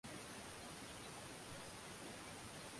Suala la fedha lilikuwa jambo la Muungano